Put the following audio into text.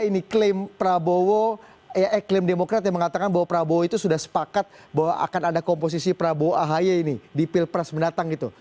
ini klaim prabowo eh klaim demokrat yang mengatakan bahwa prabowo itu sudah sepakat bahwa akan ada komposisi prabowo ahi ini di pilpres mendatang gitu